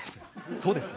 そうですね。